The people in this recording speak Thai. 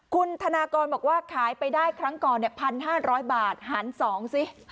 คุณธนากรบอกว่าขายไปได้ครั้งก่อน๑๕๐๐บาทหาร๒สิ